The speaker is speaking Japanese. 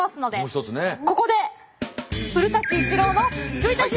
ここで「古伊知郎のちょい足し！」。